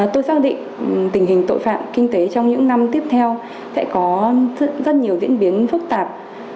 tôi xác định tình hình tội phạm kinh tế trong những năm tiếp theo sẽ có rất nhiều diễn biến phức tạp